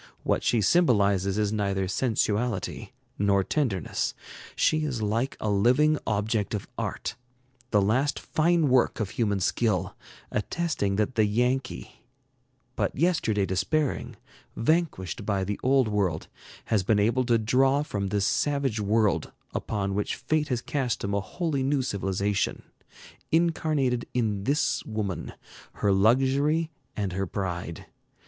What she symbolizes is neither sensuality nor tenderness. She is like a living object of art, the last fine work of human skill, attesting that the Yankee, but yesterday despairing, vanquished by the Old World, has been able to draw from this savage world upon which fate has cast him a wholly new civilization, incarnated in this woman, her luxury and her pride.